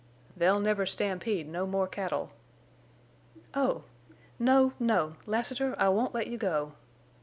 "They'll never stampede no more cattle." "Oh! No! No!... Lassiter, I won't let you go!"